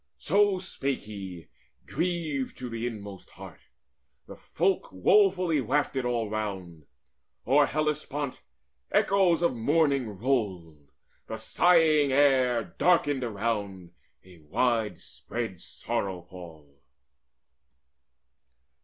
So spake he, grieved to the inmost heart. The folk Woefully wafted all round. O'er Hellespont Echoes of mourning rolled: the sighing air Darkened around, a wide spread sorrow pall.